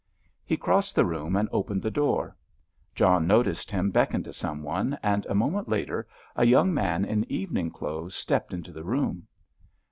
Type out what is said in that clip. He crossed the room and opened the door. John noticed him beckon to some one, and a moment later a young man in evening clothes stepped into the room.